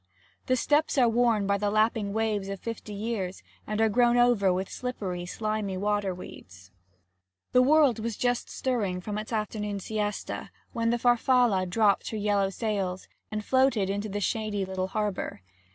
The steps are worn by the lapping waves of fifty years, and are grown over with slippery, slimy water weeds. The world was just stirring from its afternoon siesta, when the Farfalla dropped her yellow sails and floated into the shady little harbour.